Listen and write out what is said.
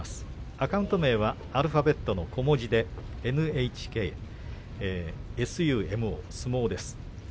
アカウント名はアルファベットの小文字でｎｈｋｓｕｍｏです。